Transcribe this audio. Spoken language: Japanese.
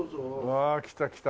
わあ来た来た。